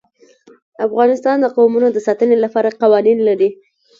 افغانستان د قومونه د ساتنې لپاره قوانین لري.